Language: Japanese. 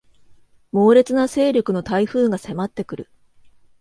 猛烈な勢力の台風が迫ってくる